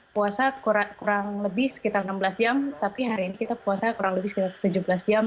puasa kurang lebih sekitar enam belas jam tapi hari ini kita puasa kurang lebih sekitar tujuh belas jam